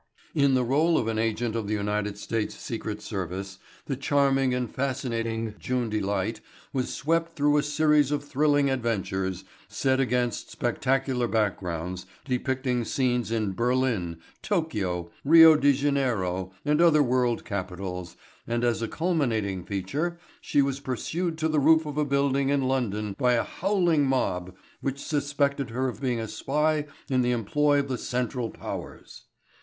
In the role of an agent of the United States secret service the charming and fascinating June Delight was swept through a series of thrilling adventures set against spectacular backgrounds depicting scenes in Berlin, Tokio, Rio de Janeiro and other world capitals and as a culminating feature she was pursued to the roof of a building in London by a howling mob which suspected her of being a spy in the employ of the Central Powers.